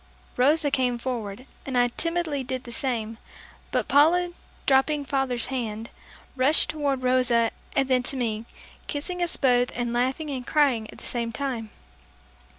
Rosa came forward, and I timidly did the same; but Paula dropping father's hand, rushed toward Rosa and then to me, kissing us both and laughing and crying at the same time.